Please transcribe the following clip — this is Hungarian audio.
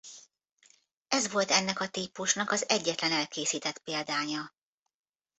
Ez volt ennek a típusnak az egyetlen elkészített példánya.